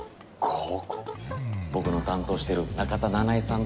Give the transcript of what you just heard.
僕の担当してる中田七恵さんと。